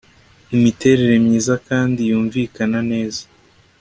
Imiterere myiza kandi yumvikana neza